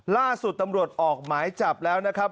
ล่าสุดตำรวจออกหมายจับแล้วนะครับ